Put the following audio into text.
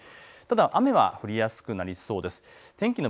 ただ雨は降りやすくなりそうです。